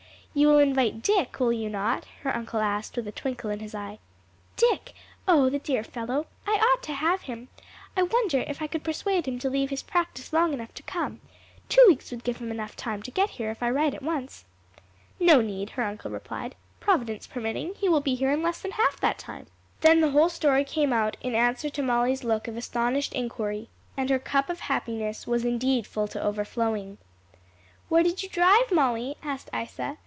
"You will invite Dick, will you not?" her uncle asked with a twinkle in his eye. "Dick! oh the dear fellow! I ought to have him. I wonder if I could persuade him to leave his practice long enough to come. Two weeks would give him time to get here if I write at once." "No need," her uncle replied. "Providence permitting, he will be here in less than half that time." Then the whole story came out in answer to Molly's look of astonished inquiry, and her cup of happiness was indeed full to overflowing. "Where did you drive, Molly?" asked Isa.